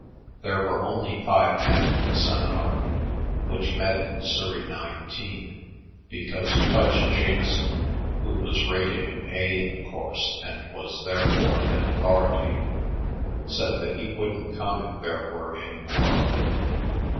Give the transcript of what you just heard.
There were only five men at the seminar, which met in Surrey 19, because Pudge Jamieson, who was "rating" an A in the course and was therefore an authority, said that he wouldn't come if there were any more.